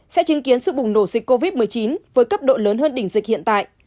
sẽ chứng kiến sự bùng nổ dịch covid một mươi chín với cấp độ lớn hơn đỉnh dịch hiện tại